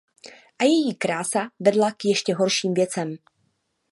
A její Krása vedla k ještě horším věcem.